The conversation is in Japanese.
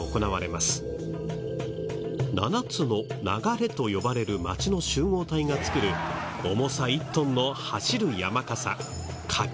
７つの「流」と呼ばれる町の集合体が作る重さ１トンの走る山笠舁き山笠。